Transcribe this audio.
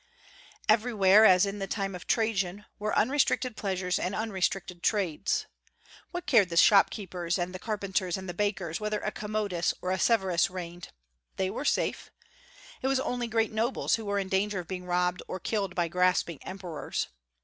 Everywhere, as in the time of Trajan, were unrestricted pleasures and unrestricted trades. What cared the shopkeepers and the carpenters and the bakers whether a Commodus or a Severus reigned? They were safe. It was only great nobles who were in danger of being robbed or killed by grasping emperors.